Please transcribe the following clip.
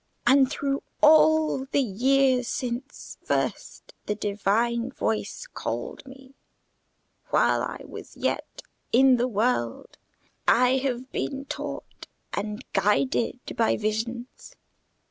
And through all the years since first the Divine voice called me, while I was yet in the world, I have been taught and guided by visions.